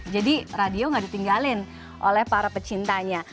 jadi radio gak ditinggalin oleh para pecintanya